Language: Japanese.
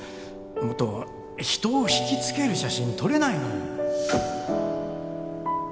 もっと人を惹きつける写真撮れないの？